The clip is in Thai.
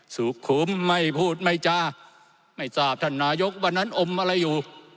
สุขุมไม่พูดไม่จาไม่ทราบท่านนายกวันนั้นอมอะไรอยู่